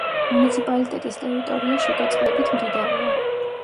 მუნიციპალიტეტის ტერიტორია შიგა წყლებით მდიდარია.